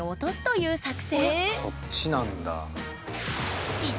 そっちなんだ。